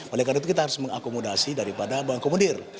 oleh karena itu kita harus mengakomodasi daripada mengakomodir